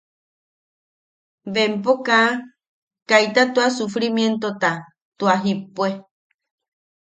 Bempo kaa... kaita tua sufrimientota tua jippue.